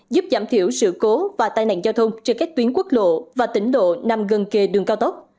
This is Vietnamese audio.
giúp giảm thiểu sự cố và tai nạn giao thông trên các tuyến quốc lộ và tỉnh độ nằm gần kề đường cao tốc